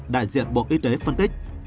đại diện bộ y tế phân tích